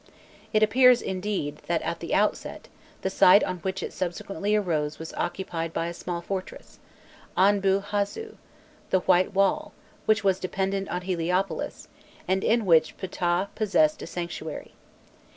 It appears, indeed, that at the outset, the site on which it subsequently arose was occupied by a small fortress, Anbû hazû the white wall which was dependent on Heliopolis, and in which Phtah possessed a sanctuary.